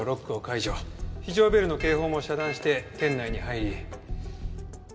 非常ベルの警報も遮断して店内に入り。